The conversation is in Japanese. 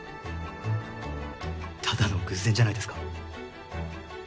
ただの偶然じゃないですか？